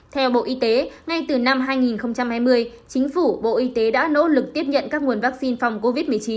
theo bộ y tế ngay từ năm hai nghìn hai mươi chính phủ bộ y tế đã nỗ lực tiếp nhận các nguồn vaccine phòng covid một mươi chín